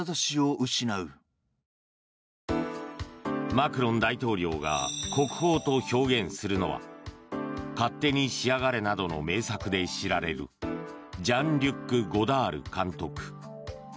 マクロン大統領が国宝と表現するのは「勝手にしやがれ」などの名作で知られるジャンリュック・ゴダール監督。